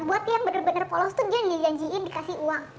buat yang benar benar polos tuh dia ngejanjiin dikasih uang